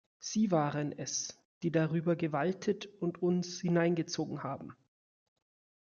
Sie waren es, die darüber gewaltet und uns hineingezogen haben.